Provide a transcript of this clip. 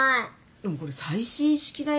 でもこれ最新式だよ。